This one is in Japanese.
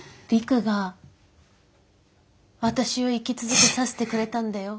璃久が私を生き続けさせてくれたんだよ。